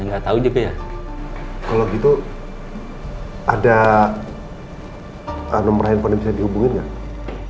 kalau gitu ada nomor handphone yang bisa dihubungin gak